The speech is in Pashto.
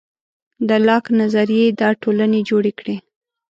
د لاک نظریې دا ټولنې جوړې کړې.